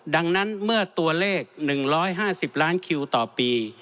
ดังนั้นเมื่อตัวเลข๑๕๐ล้านคิวต่อปี